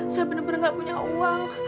saya bener bener gak punya uang